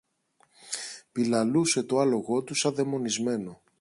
Πιλαλούσε το άλογο του σα δαιμονισμένο.